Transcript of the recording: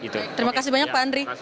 terima kasih banyak pak andri